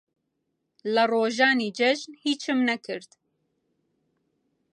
لە ڕۆژانی جەژن هیچم نەکرد.